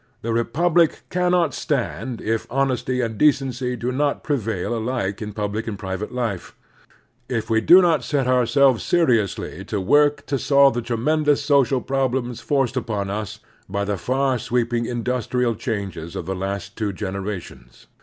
The republic cannot stand if honesty and decency do not pre vail alike in public and private life ; if we do not set ourselves seriously at work to solve the tremen dous social problems forced upon us by the far sweeping industrial changes of the last two genera tions.